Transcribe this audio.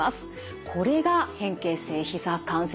これが変形性ひざ関節症です。